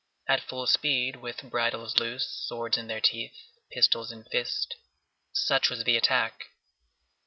At full speed, with bridles loose, swords in their teeth, pistols in fist,—such was the attack.